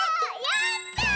やった！